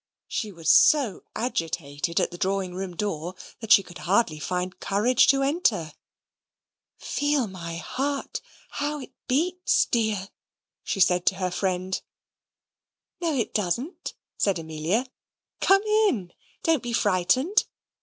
She was so agitated at the drawing room door, that she could hardly find courage to enter. "Feel my heart, how it beats, dear!" said she to her friend. "No, it doesn't," said Amelia. "Come in, don't be frightened.